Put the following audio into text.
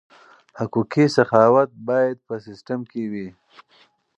حقوقي سخاوت باید په سیستم کې وي.